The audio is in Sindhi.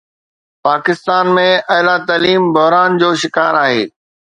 پاڪستان ۾ اعليٰ تعليم بحران جو شڪار آهي.